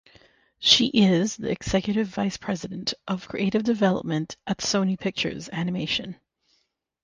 She is the executive vice president of creative development at Sony Pictures Animation.